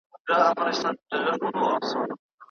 د هغه په آثارو کې د انساني کرامت ساتنې ته ډېره پاملرنه شوې ده.